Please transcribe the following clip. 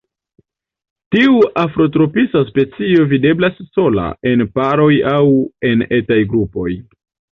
Tiu afrotropisa specio videblas sola, en paroj aŭ en etaj grupoj.